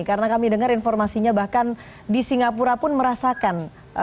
karena kami dengar informasinya bahkan di singapura pun merasakan